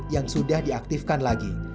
yang sudah diaktifkan lagi